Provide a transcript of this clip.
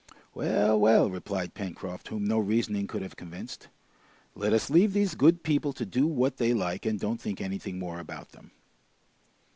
"Well, well!" replied Pencroft, whom no reasoning could have convinced. "Let us leave these good people to do what they like, and don't think anything more about them!"